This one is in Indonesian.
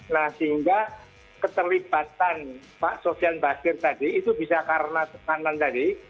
nah sehingga keterlibatan pak sofian basir tadi itu bisa karena tekanan tadi